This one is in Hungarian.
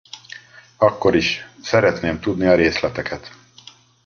Akkor is, szeretném tudni a részleteket.